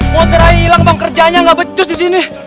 motor aja hilang bang kerjanya gak becus disini